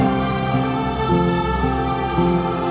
aku mau denger